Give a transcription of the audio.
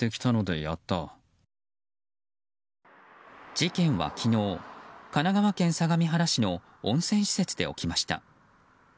事件は昨日神奈川県相模原市の温泉施設で起きました。